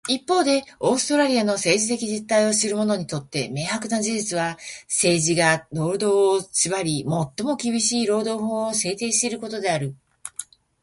一方で、オーストラリアの政治的実態を知る者にとって明白な事実は、政治が労働を縛り、最も厳しい労働法を制定していることである。